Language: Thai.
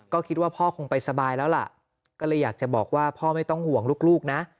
ก็คิดว่าพ่อคงไปสบายแล้วล่ะก็เลยอยากจะบอกว่าพ่อไม่ต้องห่วงลูกนะ